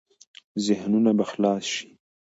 ذهنونه به خلاص شي.